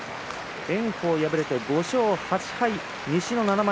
炎鵬は、敗れて５勝８敗。